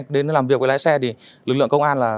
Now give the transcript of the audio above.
đến làm việc với lái xe thì lực lượng công an là